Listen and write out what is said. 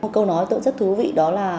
câu nói tôi rất thú vị đó là